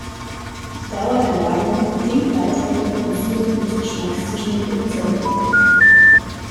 Die Dauer der Lagerung bedingt weitere Differenzierungen des Geschmacks zwischen den Produzenten.